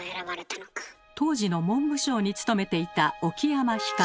当時の文部省に勤めていた沖山光。